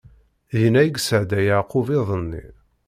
Dinna i yesɛedda Yeɛqub iḍ-nni.